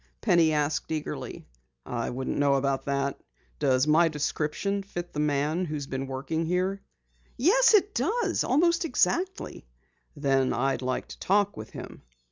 Penny asked eagerly. "I wouldn't know about that. Does my description fit the man who has been working here?" "Yes, it does! Almost exactly." "Then I'd like to talk with him."